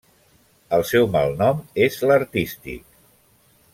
El seu malnom és l'artístic.